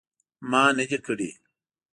ما نه دي کړي